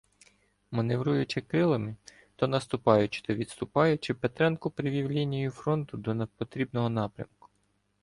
Маневруючи крилами, — то наступаючи, то відступаючи, Петренко привів лінію фронту до потрібного напрямку.